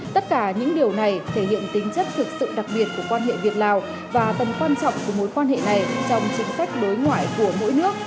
tất cả những điều này thể hiện tính chất thực sự đặc biệt của quan hệ việt lào và tầm quan trọng của mối quan hệ này trong chính sách đối ngoại của mỗi nước